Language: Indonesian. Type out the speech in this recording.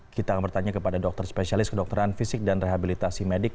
kita akan bertanya kepada dokter spesialis kedokteran fisik dan rehabilitasi medik